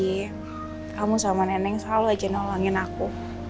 apalagi kamu sama nenek selalu aja nolongin aku